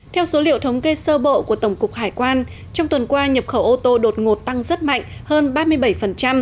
theo số liệu thống kê sơ bộ của tổng cục hải quan trong tuần qua nhập khẩu ô tô đột ngột tăng rất mạnh hơn ba mươi bảy